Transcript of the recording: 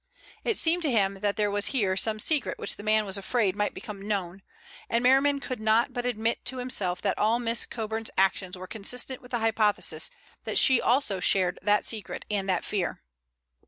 It seemed to him that there was here some secret which the man was afraid might become known, and Merriman could not but admit to himself that all Miss Coburn's actions were consistent with the hypothesis that she also shared that secret and that fear.